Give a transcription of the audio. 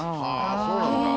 そうなんだ。